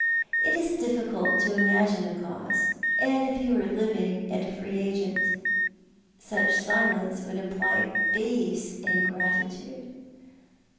" It is difficult to imagine a cause, and if he were living and a free agent, such silence would imply base ingratitude."